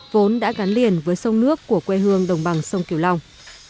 vốn đã gắn liền với sông nước của quê hương đồng bằng sông kiều long